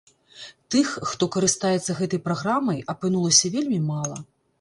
Тых, хто карыстаецца гэтай праграмай, апынулася вельмі мала.